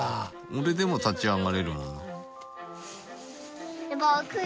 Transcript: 俺でも立ち上がれるもん。